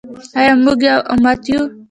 آیا موږ یو امت یو؟